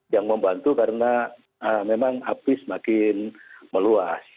yang membantu karena memang api semakin meluas